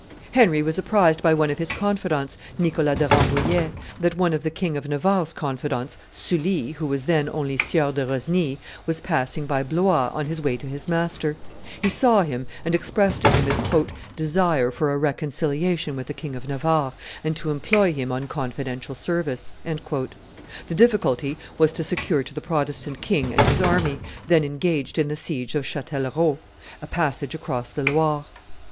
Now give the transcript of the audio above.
Henry was apprised by one of his confidants, Nicholas de Rambouillet, that one of the King of Navarre's confidants, Sully, who was then only Sieur de Rosny, was passing by Blois on his way to his master; he saw him and expressed to him his "desire for a reconciliation with the King of Navarre, and to employ him on confidential service;" the difficulty was to secure to the Protestant king and his army, then engaged in the siege of Chatellerault, a passage across the Loire.